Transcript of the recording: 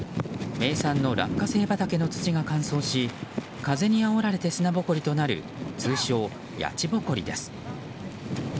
名産のラッカセイ畑の土が乾燥し風にあおられて砂ぼこりとなる通称やちぼこりです。